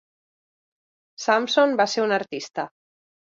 Sampson va ser un artista.